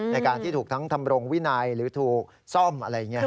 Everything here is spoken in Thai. ในการที่ถูกทั้งทำรงวินัยหรือถูกซ่อมอะไรอย่างนี้